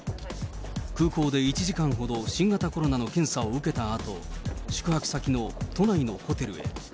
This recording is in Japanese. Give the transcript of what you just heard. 空港で１時間ほど新型コロナの検査を受けたあと、宿泊先の都内のホテルへ。